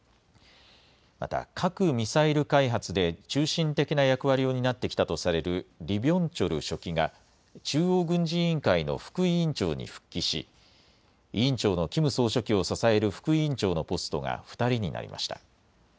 また核・ミサイル開発で中心的な役割を担ってきたとされるリ・ビョンチョル書記が中央軍事委員会の副委員長に復帰し委員長のキム総書記を支える副委員長のポストが２人になりました。